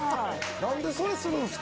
なんでそれ、するんですか。